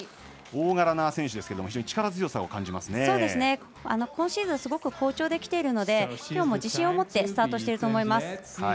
大柄な選手ですけれども非常に力強さを今シーズン、すごく好調できているのできょうも自信を持ってスタートしていると思います。